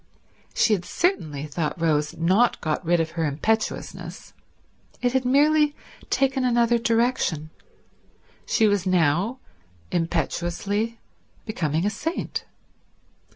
She had certainly, thought Rose, not got rid of her impetuousness. It had merely taken another direction. She was now impetuously becoming a saint.